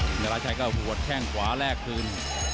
ราชัยก็หัวแข้งขวาแลกคืน